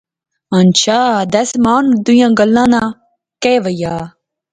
ہنچھا دس ماں دویا گلاہ ناں کہیہ وہا